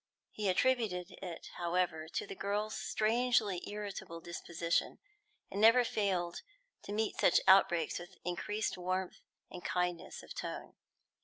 He attributed it, however, to the girl's strangely irritable disposition, and never failed to meet such outbreaks with increased warmth and kindness of tone.